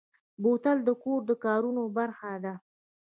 بوتل د کور د کارونو برخه ده.